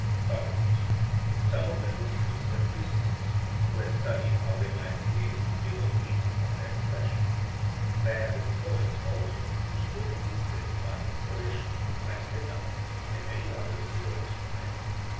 SOCRATES: Some of them were priests and priestesses, who had studied how they might be able to give a reason of their profession: there have been poets also, who spoke of these things by inspiration, like Pindar, and many others who were inspired.